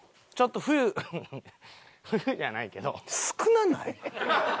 ちょっと冬フフフ冬じゃないけど。